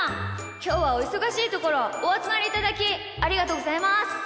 きょうはおいそがしいところおあつまりいただきありがとうございます。